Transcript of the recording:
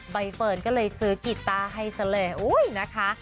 ใบเฟิร์นก็เลยซื้อกีต้าให้เสร็จอุ๊ยนะคะ